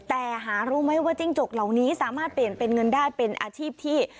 แต่หารู้ไหมว่าจิ้งจกเหล่านี้สามารถเปลี่ยนเป็นเงินได้เป็นอาชีพที่